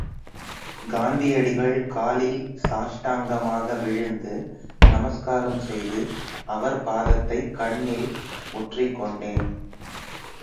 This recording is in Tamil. காந்தியடிகள் காலில் சாஷ்டாங்கமாக விழுந்து நமஸ்காரம் செய்து அவர் பாதத்தைக் கண்ணில் ஒற்றிக்கொண்டேன்.